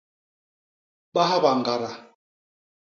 Bahba ñgada.